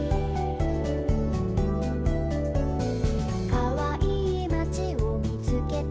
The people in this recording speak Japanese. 「かわいいまちをみつけたよ」